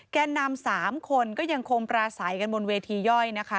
แก่นำ๓คนก็ยังคงปราศัยกันบนเวทีย่อยนะคะ